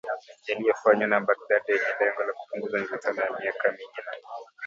yaliyofanywa na Baghdad yenye lengo la kupunguza mivutano ya miaka mingi na